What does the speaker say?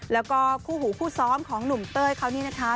แล้วก็คู่หูคู่ซ้อมของหนุ่มเต้ยเขานี่นะคะ